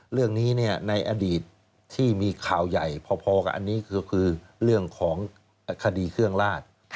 เรื่องนี้ในอดีตที่มีข่าวใหญ่พอกับอันนี้ก็คือเรื่องของคดีเครื่องราช